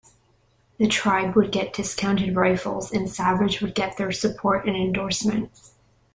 The tribe would get discounted rifles and Savage would get their support and endorsement.